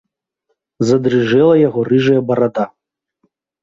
Задрыжэла яго рыжая барада.